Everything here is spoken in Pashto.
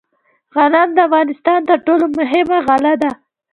غنم د افغانستان تر ټولو مهمه غله ده.